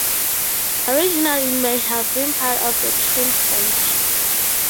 Originally, it may have been part of a triptych.